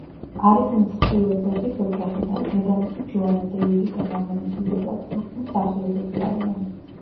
არის მსხიობების ოჯახიდან, დედამისი ჯოანა დევიდი და მამისი ედუარდ ფოქსი მსახიობები არიან.